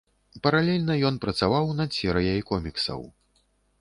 Паралельна ён працаваў над серыяй коміксаў.